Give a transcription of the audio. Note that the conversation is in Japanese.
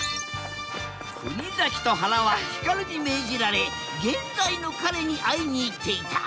国崎とはらはヒカルに命じられ現在の彼に会いに行っていた